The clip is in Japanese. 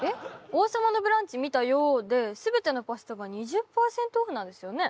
「王様のブランチ見たよー！」で全てのパスタが２０％オフなんですよね？